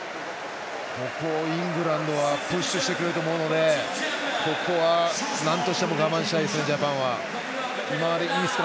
ここ、イングランドはプッシュしてくると思うので我慢したいですね、ジャパンは。